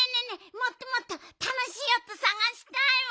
もっともっとたのしいおとさがしたいわ。